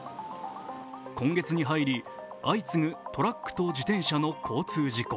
今月に入り、相次ぐトラックと自転車の交通事故。